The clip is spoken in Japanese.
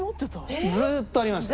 ずっとありました。